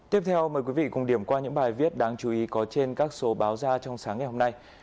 tiếp theo mời quý vị cùng điểm qua những bài viết đáng chú ý có trên các số báo ra trong sáng ngày hôm nay